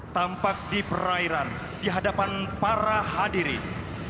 tampak di perairan di hadapan para hadirin